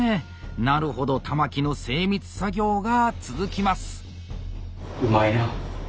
なるほど玉木の精密作業が続きます。